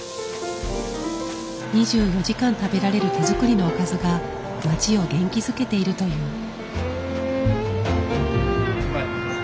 ２４時間食べられる手作りのおかずが町を元気づけているという。